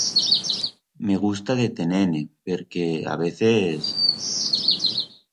Me gusta de tener-ne perque a veces...